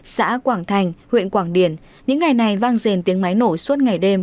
xã quảng thành huyện quảng điển những ngày này vang rền tiếng máy nổi suốt ngày đêm